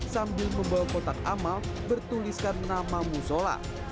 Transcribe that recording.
sambil membawa kotak amal bertuliskan nama musola